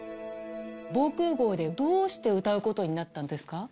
防空ごうでどうして歌うことになったんですか？